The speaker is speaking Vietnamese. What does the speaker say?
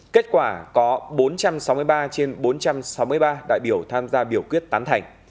kết quả có bốn trăm sáu mươi ba trên bốn trăm sáu mươi ba đại biểu tham gia biểu quyết tán thành